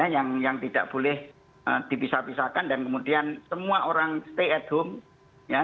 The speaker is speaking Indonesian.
yang tidak boleh dipisah pisahkan dan kemudian semua orang stay at home ya